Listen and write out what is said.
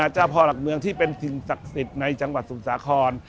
เจ้าพ่อหลักเมืองที่เป็นสิ่งศักดิ์สิทธิ์ในจังหวัดสมุทรสาคร